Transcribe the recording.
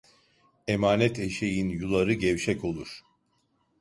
Emanet eşeğin yuları gevşek olur.